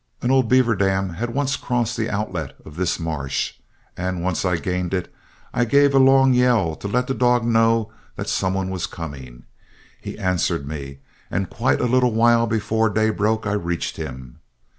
An old beaver dam had once crossed the outlet of this marsh, and once I gained it, I gave a long yell to let the dog know that some one was coming. He answered me, and quite a little while before day broke I reached him.